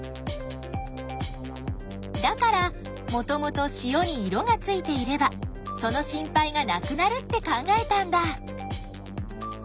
だからもともと塩に色がついていればその心配がなくなるって考えたんだ。